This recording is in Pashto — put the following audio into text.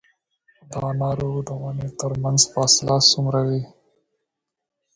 د انارو د ونو ترمنځ فاصله څومره وي؟